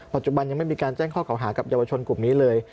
ปัจจุบันยังไม่มีการแจ้งข้อเก่าหากับเยาวชนกลุ่มนี้เลย